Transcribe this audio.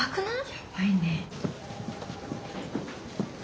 やばいね。